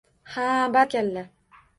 – Ha, barakalla.